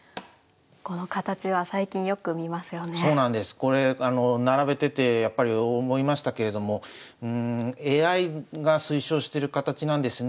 これ並べててやっぱり思いましたけれどもＡＩが推奨してる形なんですね